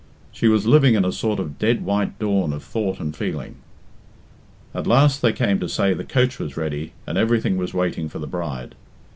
She was living in a sort of dead white dawn of thought and feeling. At last they came to say the coach was ready and everything was waiting for the bride.